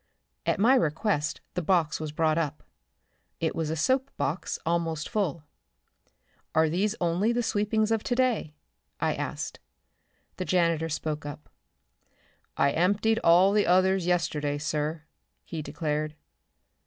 At my request the box was brought up. It was a soap box almost full. "Are these only the sweepings of today?" I asked. The janitor spoke up. "I emptied all the others yesterday, sir," he declared.